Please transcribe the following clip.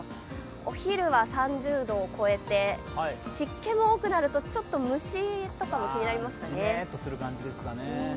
お昼は３０度を超えて、湿気も多くなるとちょっと虫とかも気になりますかね。